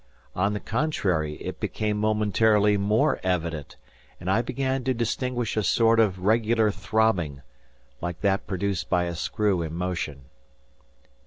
On the contrary it became momentarily more evident, and I began to distinguish a sort of regular throbbing, like that produced by a screw in motion.